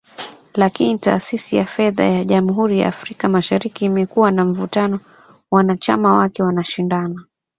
Lakini Taasisi ya Fedha ya Jamhuri ya Afrika Mashariki imekuwa na mvutano, wanachama wake wanashindana.